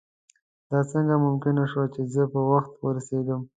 دا څنګه ممکنه شوه چې زه په وخت ورسېږم.